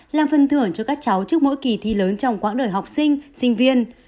làm phân thưởng cho các cháu trước mỗi kỳ thi lớn trong quãng đời học sinh sinh viên